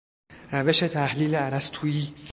روش تحلیل ارسطویی